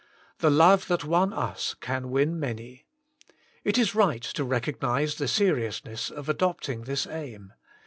The love that won us can win many. It is right to recognise the seriousness of adopting this aim.